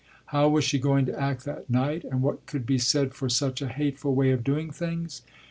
How was she going to act that night and what could be said for such a hateful way of doing things?